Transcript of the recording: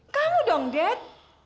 kamu dong dad